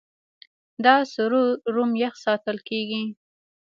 دا سرور روم یخ ساتل کېږي.